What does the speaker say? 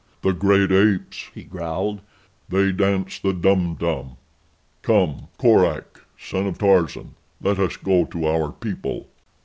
"The great apes!" he growled. "They dance the Dum Dum. Come, Korak, son of Tarzan, let us go to our people."